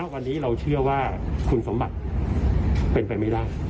วันนี้เราเชื่อว่าคุณสมบัติเป็นไปไม่ได้